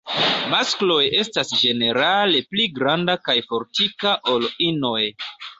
Maskloj estas ĝenerale pli granda kaj fortika ol inoj.